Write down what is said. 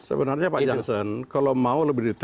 sebenarnya pak janssen kalau mau lo beritahu